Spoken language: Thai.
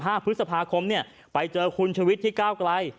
ว่าวันที่๑๕พฤษภาคมเนี่ยไปเจอคุณชวิตที่ก้าวไกล